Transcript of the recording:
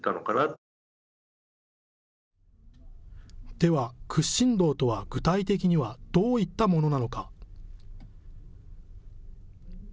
では屈伸道とは具体的にはどういったものなのか。